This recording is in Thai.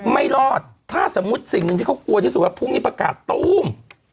ไม่รอดถ้าสมมุติสิ่งหนึ่งที่เขากลัวที่สุดว่าพรุ่งนี้ประกาศตู้ม